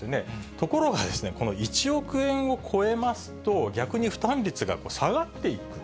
ところがこの１億円を超えますと、逆に負担率が下がっていく。